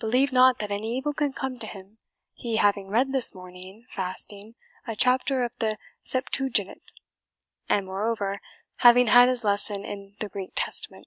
Believe not that any evil can come to him, he having read this morning, fasting, a chapter of the Septuagint, and, moreover, having had his lesson in the Greek Testament."